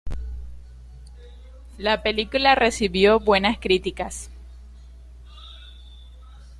La película recibió buenas críticas.